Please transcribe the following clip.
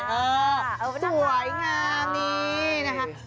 สวยงามนี่นะคะ